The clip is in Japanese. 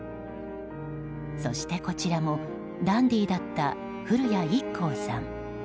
そして、こちらもダンディーだった古谷一行さん。